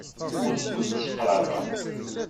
Ur ten-id-sseqrabeɣ.